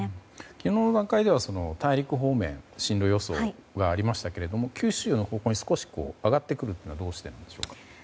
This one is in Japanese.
昨日の段階では大陸方面に進路予想がありましたが九州の方向に少し上がってくるのはどうしてなんでしょうか。